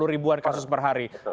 dua puluh ribuan kasus per hari